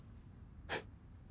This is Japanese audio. えっ？